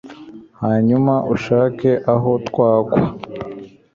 hanyuma ushake aho twagwa